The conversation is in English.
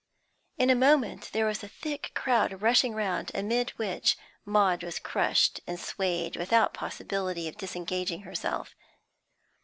In a moment there was a thick crowd rushing round, amid which Maud was crushed and swayed without possibility of disengaging herself.